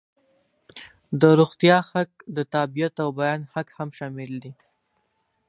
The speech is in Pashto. د روغتیا حق، د تابعیت او بیان حق هم شامل دي.